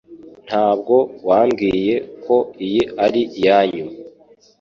Ntabwo wambwiye ko iyi ari iyanyu